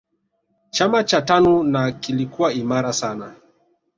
chama cha tanu na kilikuwa imara sana